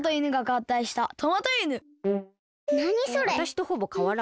わたしとほぼかわらん。